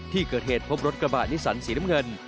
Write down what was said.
ที่เกิดเหตุพบรถกระบะนิสันสีน้ำเงิน